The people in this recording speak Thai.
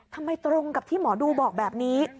ตรงกับที่หมอดูบอกแบบนี้